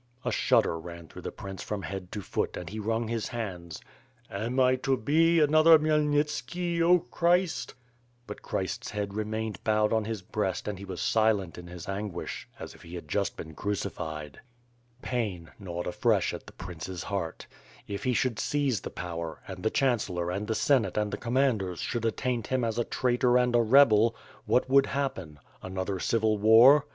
A shudder ran through the prince from head to foot and he wrung his hands. "Am I to be another Khmyelnitski, 0 Christ?" But Christ's head remained bowed on his breast and he was silent in his anguish, as if he had just been crucified. Pain gnawed afresh at the prince's heart; if he should seize the power, and the chancellor and the Senate and the 422 ^/^^ ^ittE AND SWORD. Commanders should attaint him as a traitor and a rebel — whatwould happen? Another civil war?